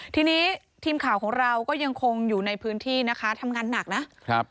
ทีนี้ทีมข่าวของเราก็ยังคงอยู่ในพื้นที่นะคะทำงานหนักนะครับ